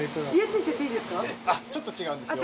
ちょっと違うんですよ。